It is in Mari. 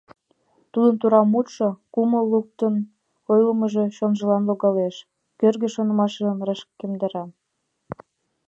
Тудын тура мутшо, кумыл луктын ойлымыжо чонжылан логалеш, кӧргӧ шонымашым рашкемдара.